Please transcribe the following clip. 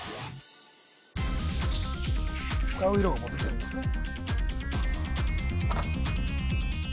使う色がもう出てるんですね